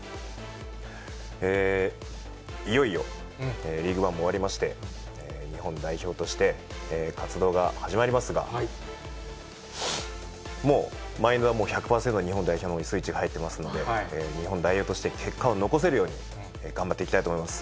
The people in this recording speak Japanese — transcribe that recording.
いよいよ、リーグワンも終わりまして、日本代表として活動が始まりますが、もう、マインドは１００％、日本代表のスイッチ入ってますので、日本代表として結果を残せるように頑張っていきたいと思います。